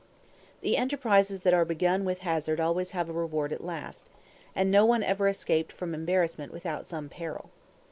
The enterprises that are begun with hazard always have a reward at last; and no one ever escaped from embarrassment without some peril.